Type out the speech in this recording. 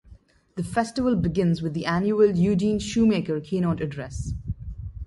The festival begins with the annual Eugene Shoemaker keynote address.